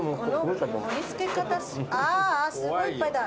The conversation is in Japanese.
ああすごいいっぱいだ。